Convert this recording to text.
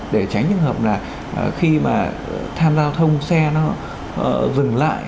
để tránh trường hợp là khi mà tham gia giao thông xe nó dừng lại